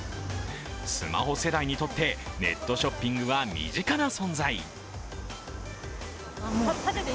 スマホ世代にとって、ネットショッピングは身近な存在。